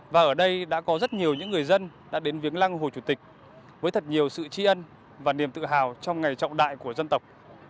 và ở đây đã có rất nhiều những người dân đã đến viếng lăng hồ chủ tịch với thật nhiều sự tri ân và niềm tự hào trong ngày trọng đại của dân tộc